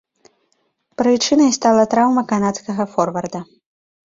Прычынай стала траўма канадскага форварда.